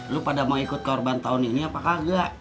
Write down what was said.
lu pada mau ikut korban tahun ini apa kagak